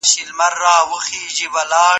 سند به وړاندې شوی وي.